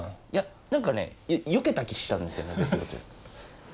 いやなんかねよけた気したんですよね。